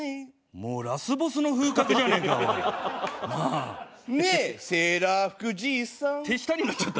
もうラスボスの風格じゃねえかおい。